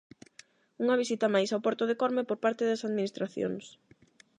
Unha visita máis ao porto de Corme por parte das administracións.